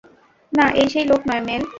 না, এই সেই লোক নয়, মেল।